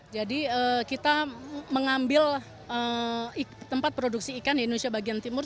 jadi kita mengambil tempat produksi ikan di indonesia bagian timur